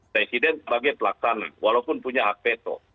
presiden sebagai pelaksana walaupun punya hak veto